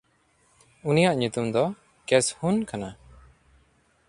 ᱩᱱᱤᱭᱟᱜ ᱧᱩᱛᱩᱢ ᱫᱚ ᱠᱮᱥᱦᱩᱱ ᱠᱟᱱᱟ᱾